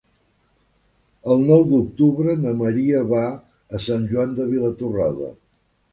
El nou d'octubre na Maria va a Sant Joan de Vilatorrada.